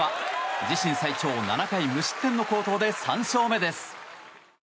自身最長７回無失点の好投で３勝目です。